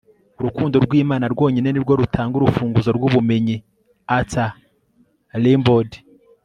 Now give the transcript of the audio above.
urukundo rw'imana rwonyine ni rwo rutanga urufunguzo rw'ubumenyi. - arthur rimbaud